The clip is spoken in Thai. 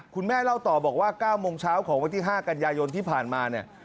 คุณแม่เล่าต่อบอกว่า๙โมงเช้าของวันที่๕กันยายนที่ผ่านมาเนี่ย